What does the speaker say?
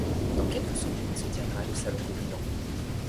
Dans quelques semaines se tiendra le salon de Milan.